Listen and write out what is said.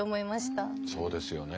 そうですよね。